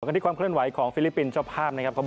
เรามีความเคลื่อนไหวของฟิลิปปินส์เจ้าภาพ